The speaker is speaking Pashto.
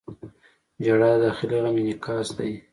• ژړا د داخلي غم انعکاس دی.